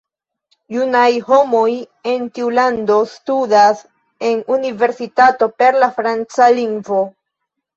Junaj homoj en tiu lando studas en universitato per la franca lingvo.